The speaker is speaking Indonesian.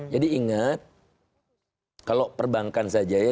jadi ingat kalau perbankan saja ya